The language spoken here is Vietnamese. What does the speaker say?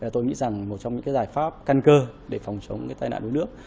tôi nghĩ rằng một trong những giải pháp căn cơ để phòng chống tai nạn đuối nước